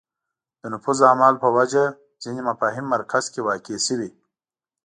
د نفوذ اعمال په وجه ځینې مفاهیم مرکز کې واقع شوې